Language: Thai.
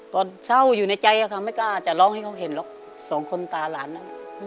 ตอนเช่าอยู่ในใจอะค่ะไม่กล้าจะร้องให้เขาเห็นหรอกสองคนตาหลานน่ะ